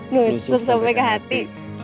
nusuk sampai ke hati